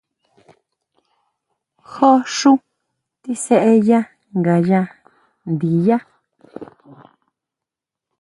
Xjó xú tisʼeya ngayá ndiyá.